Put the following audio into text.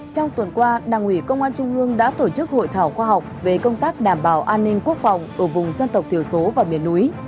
trong tuần qua đảng ủy công an trung ương đã tổ chức hội thảo khoa học về công tác đảm bảo an ninh quốc phòng ở vùng dân tộc thiểu số và miền núi